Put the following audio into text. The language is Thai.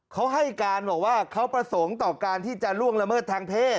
เขาให้การบอกว่าเขาประสงค์ต่อการที่จะล่วงละเมิดทางเพศ